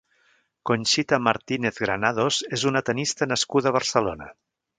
Conchita Martínez Granados és una tennista nascuda a Barcelona.